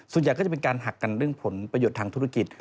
ส่วนใหญ่ก็จะเป็นการหักกันเรื่องผลประโยชน์ทางธุรกิจ